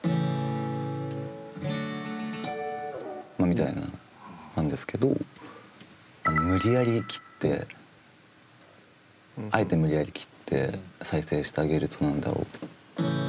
みたいな感じですけど無理やり切ってあえて無理やり切って再生してあげると何だろう。